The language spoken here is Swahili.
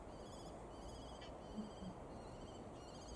Epuka kuchanganya mifugo katika maeneo ya malisho